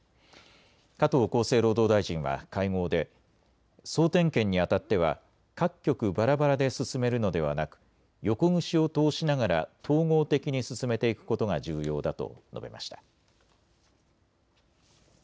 加藤厚生労働大臣は会合で総点検にあたっては各局ばらばらで進めるのではなく横串を通しながら統合的に進めていくことが重要だと述べました。